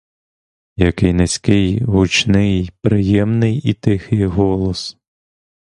Який низький гучний приємний і тихий голос!